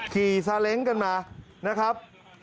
สาเล้งกันมานะครับ